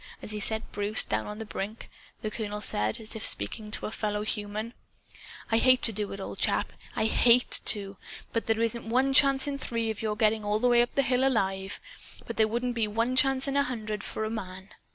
As he set Bruce down on the brink, the colonel said, as if speaking to a fellow human: "I hate to do it, old chap. I HATE to! There isn't one chance in three of your getting all the way up the hill alive. But there wouldn't be one chance in a hundred, for a MAN.